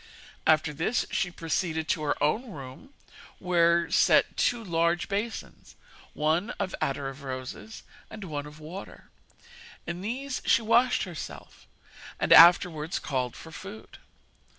After this she proceeded to her own room where were set two large basins, one of attar of roses and one of water; in these she washed herself, and afterwards called for food.